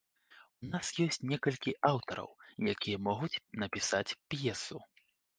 У нас ёсць некалькі аўтараў, якія могуць напісаць п'есу.